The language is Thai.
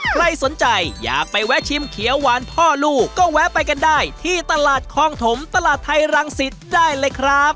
ใครสนใจอยากไปแวะชิมเขียวหวานพ่อลูกก็แวะไปกันได้ที่ตลาดคลองถมตลาดไทยรังสิตได้เลยครับ